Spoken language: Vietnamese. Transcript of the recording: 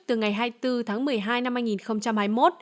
từ ngày hai mươi bốn tháng một mươi hai năm hai nghìn hai mươi một